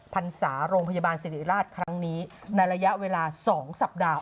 พรรษาโรงพยาบาลสิริราชครั้งนี้ในระยะเวลา๒สัปดาห์